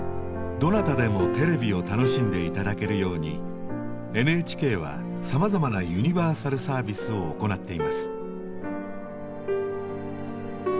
どなたでもテレビを楽しんで頂けるようにＮＨＫはさまざまなユニバーサルサービスを行っています。